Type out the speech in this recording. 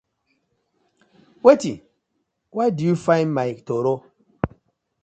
Wetin? Why do dey find my toro?